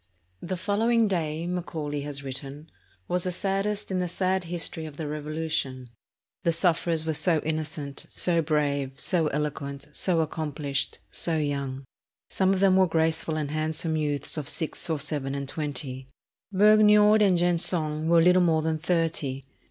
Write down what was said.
"The following day," Macaulay has written, "was the saddest in the sad history of the Revolution. The sufferers were so innocent, so brave, so eloquent, so accomplished, so young. Some of them were graceful and handsome youths of six or seven and twenty. Vergniaud and Gensonne were little more than thirty.